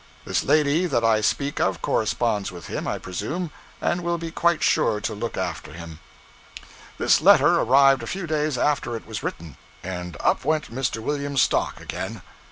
This lady that I speak of corresponds with him, I presume, and will be quite sure to look after him. This letter arrived a few days after it was written and up went Mr. Williams's stock again. Mr.